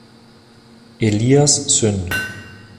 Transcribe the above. Elias Syn.